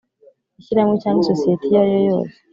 Ishyirahamwe cyangwa isosiyete iyo ariyo yose